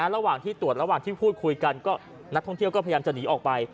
ระหว่างที่ตรวจระหว่างที่พูดคุยกันก็นักท่องเที่ยวก็พยายามจะหนีออกไป